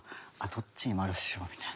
どっちに丸しようみたいな。